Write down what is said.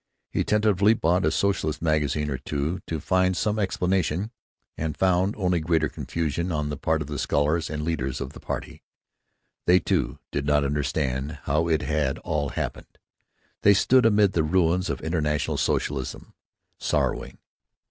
He tentatively bought a socialist magazine or two, to find some explanation, and found only greater confusion on the part of the scholars and leaders of the party. They, too, did not understand how it had all happened; they stood amid the ruins of international socialism, sorrowing.